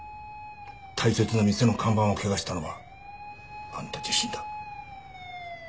大切な店の看板を汚したのはあんた自身だ。